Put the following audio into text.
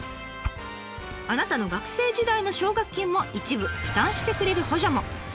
あなたの学生時代の奨学金も一部負担してくれる補助も。